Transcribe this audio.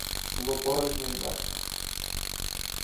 Було порожньо й мертво.